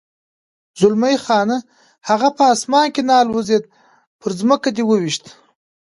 زلمی خان: هغه په اسمان کې نه الوزېد، پر ځمکه دې و وېشت.